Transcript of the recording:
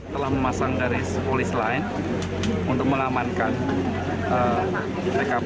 telah memasang dari polis lain untuk mengamankan pkp